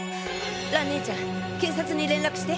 蘭ねえちゃん警察に連絡して！